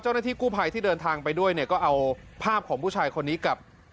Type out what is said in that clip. เจ้าหน้าที่กู้ภัยที่เดินทางไปด้วยเนี่ยก็เอาภาพของผู้ชายคนนี้กับ